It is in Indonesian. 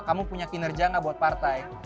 kamu punya kinerja nggak buat partai